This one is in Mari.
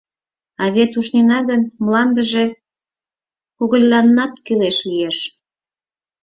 А вет ушнена гын, мландыже когыляннат кӱлеш лиеш.